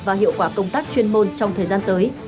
và hiệu quả công tác chuyên môn trong thời gian tới